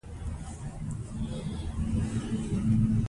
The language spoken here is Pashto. زده کړه ښځه د کورنۍ مصرفونه سموي.